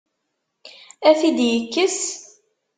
Ad t-id-yekkes?